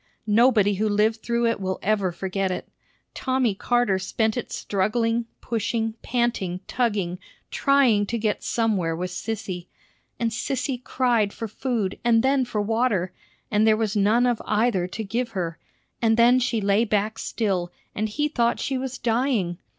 Nobody who lived through it will ever forget it. Tommy Carter spent it struggling, pushing, panting, tugging, trying to get somewhere with Sissy. And Sissy cried for food and then for water, and there was none of either to give her; and then she lay back still, and he thought she was dying.